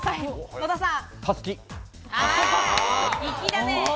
野田さん。